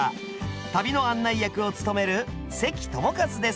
旅の案内役を務める関智一です。